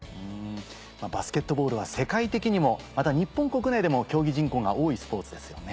バスケットボールは世界的にもまた日本国内でも競技人口が多いスポーツですよね。